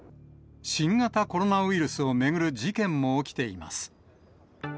新型コロナウイルスを巡る事件も起きています。